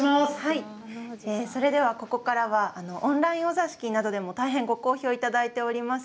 それではここからはオンラインお座敷で大変ご好評をいただいております